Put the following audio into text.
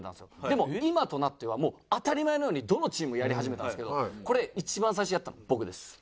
でも今となってはもう当たり前のようにどのチームもやり始めたんですけどこれ一番最初にやったの僕です。